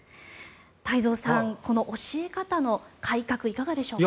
太蔵さん、この教え方の改革いかがでしょうか。